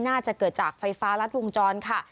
น่าจะเกิดจากไฟฟ้ารัดวงจรค่ะ